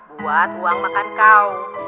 buat uang makan kau